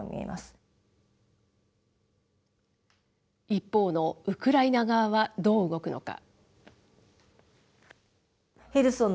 一方のウクライナ側は、どう動くのか。